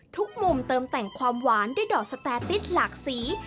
ทุกมุมเติมแต่งความหวานด้วยดอกสแตติ๊ดหลากสี